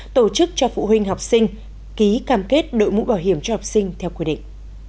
tổ chức cho phụ huynh học sinh ký cam kết đội mũ bảo hiểm cho học sinh theo quy định